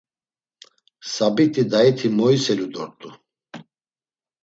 Sabit̆i dayiti moiselu dort̆u.